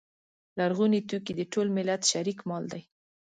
لرغوني توکي د ټول ملت شریک مال دی.